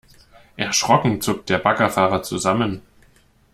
Erschrocken zuckt der Baggerfahrer zusammen.